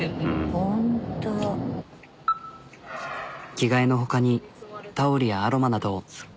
着替えの他にタオルやアロマなど。